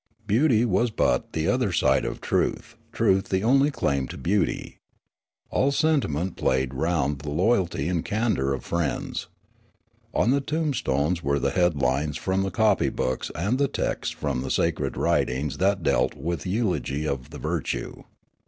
Beauty was but the other side of truth, truth the only claim to beauty. All sentiment played round the loyalty and candour of friends. On the tombstones were the headlines from the copy books and the texts from the sacred writings that dealt with eulogy of the virtue.